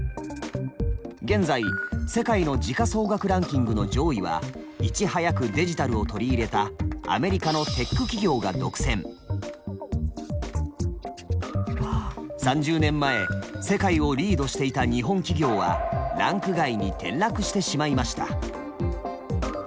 現在世界の時価総額ランキングの上位はいち早くデジタルを取り入れたアメリカの３０年前世界をリードしていた日本企業はランク外に転落してしまいました。